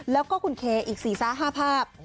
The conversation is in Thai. แล้วก็คุณเคอีก๔๕ภาพ